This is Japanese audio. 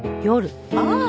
ああ！